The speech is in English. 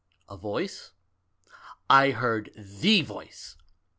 A voice? I heard the voice.